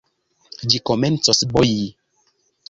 Ĝi komencos boji.